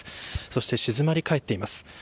そして静まり返っています。